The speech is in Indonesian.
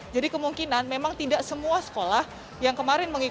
jadi kemungkinan memang tidak semua sekolah yang kemarin